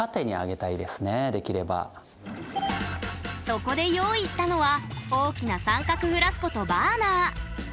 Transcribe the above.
そこで用意したのは大きな三角フラスコとバーナー。